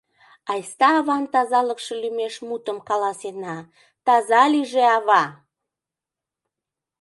Айста аван тазалыкше лӱмеш мутым каласена: таза лийже ава!..